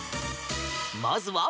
まずは。